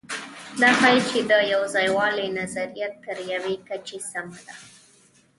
دا ښيي، چې د یوځایوالي نظریه تر یوې کچې سمه ده.